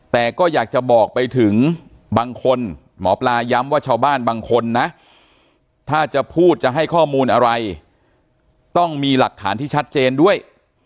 แต่ก็อยากจะบอกไปถึงบางคนหมอปลาย้ำว่าชาวบ้านบางคนนะถ้าจะพูดจะให้ข้อมูลอะไรต้องมีหลักฐานที่ชัดเจนด้วย